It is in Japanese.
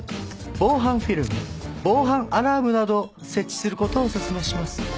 防犯フィルム防犯アラームなどを設置する事をお勧めします。